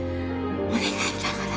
お願いだから！